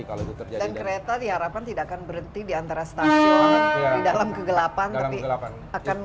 dan kereta diharapkan tidak akan berhenti di antara stasiun di dalam kegelapan